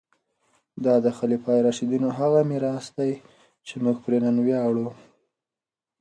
دا د خلفای راشدینو هغه میراث دی چې موږ پرې نن ویاړو.